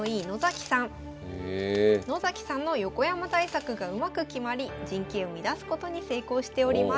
野崎さんの横山対策がうまく決まり陣形を乱すことに成功しております。